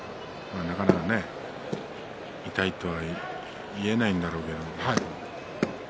なかなか痛いとは言えないんだろうけど。